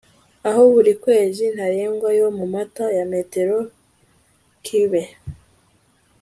aho buri kwezi ntarengwa yo muri mata ya metero kibe